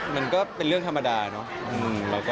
มันก็เป็นเรื่องธรรมดาเนอะ